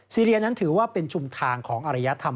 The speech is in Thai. ซีเรียนั้นถือว่าเป็นชุมทางของอรยธรรม